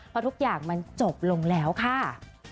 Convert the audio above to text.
เพราะทุกอย่างมันจบลงแล้วค่ะ